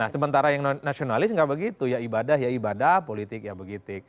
nah sementara yang nasionalis nggak begitu ya ibadah ya ibadah politik ya begitu